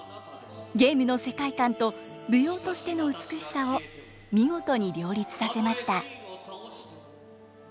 ゲームの世界観と舞踊としての美しさを見事に両立させました。